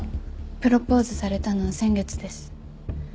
プロポーズされたのは先月です。